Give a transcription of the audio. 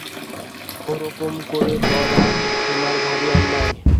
ওরকম করে বলা তোমার ভারি অন্যায়।